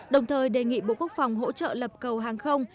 đồng thời đề nghị bộ quốc phòng hỗ trợ lập cầu hàng không